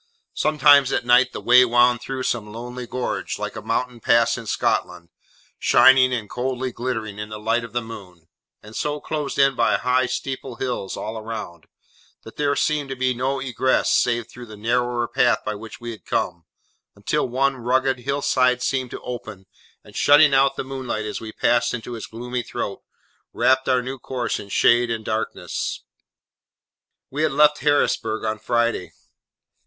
Sometimes, at night, the way wound through some lonely gorge, like a mountain pass in Scotland, shining and coldly glittering in the light of the moon, and so closed in by high steep hills all round, that there seemed to be no egress save through the narrower path by which we had come, until one rugged hill side seemed to open, and shutting out the moonlight as we passed into its gloomy throat, wrapped our new course in shade and darkness. We had left Harrisburg on Friday.